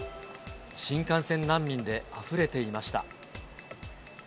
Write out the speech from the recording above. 新幹線難民であふれていました。